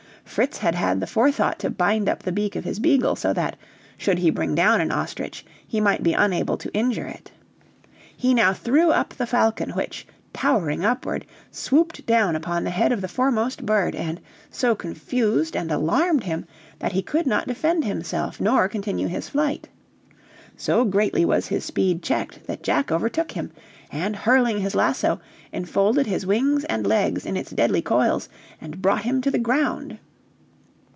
Fritz had had the forethought to bind up the beak of his eagle so that, should he bring down an ostrich, he might be unable to injure it. He now threw up the falcon which, towering upward, swooped down upon the head of the foremost bird, and so confused and alarmed him, that he could not defend himself nor continue his flight. So greatly was his speed checked that Jack overtook him, and hurling his lasso, enfolded his wings and legs in its deadly coils and brought him to the ground.